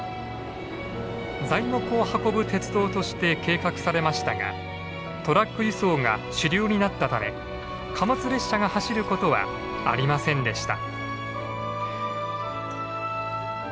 材木を運ぶ鉄道として計画されましたがトラック輸送が主流になったため貨物列車が走ることはありませんでした。